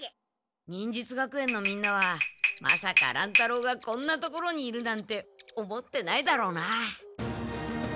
忍術学園のみんなはまさか乱太郎がこんな所にいるなんて思ってないだろうな。